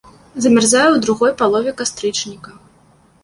Замярзае ў другой палове кастрычніка.